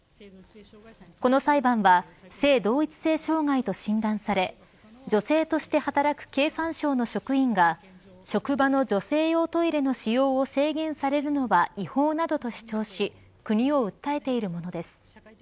この裁判は性同一性障害と診断され女性として働く経産省の職員が職場の女性用トイレの使用を制限されるのは違法などと主張し国を訴えているものです。